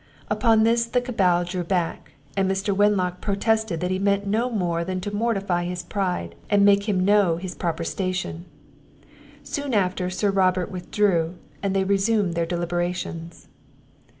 Upon this the cabal drew back, and Mr. Wenlock protested that he meant no more than to mortify his pride, and make him know his proper station. Soon after Sir Robert withdrew, and they resumed their deliberations.